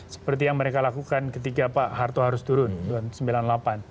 seperti yang mereka lakukan ketika pak harto harus turun tahun seribu sembilan ratus sembilan puluh delapan